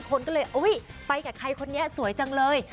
คนก็เลยไปกับใครคนนี้สวยจังเลย